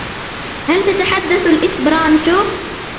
هل تتحدث الإسبرانتو؟